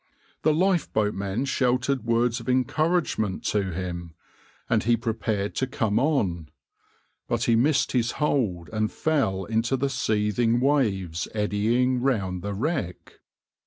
The lifeboatmen shouted words of encouragement to him, and he prepared to come on, but he missed his hold and fell into the seething waves eddying round the wreck.